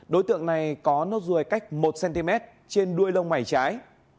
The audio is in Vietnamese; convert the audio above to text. đối tượng này có nốt ruồi cách một cm trên đuôi lông mày trái